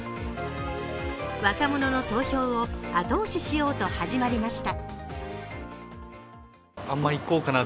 若者の投票を後押ししようと始まりました。